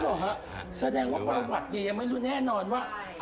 แสดงว่าประวัตินี่ยังไม่รู้แน่นอนว่า